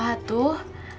ya gak apa apa tuh